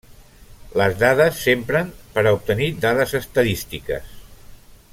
Les dades s'empren per a obtenir dades estadístiques.